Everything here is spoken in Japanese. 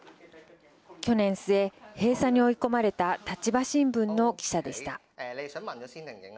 去年末、閉鎖に追い込まれた立場新聞の記者でした。